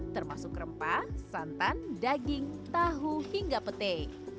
termasuk rempah santan daging tahu hingga petai